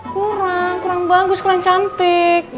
kurang kurang bagus kurang cantik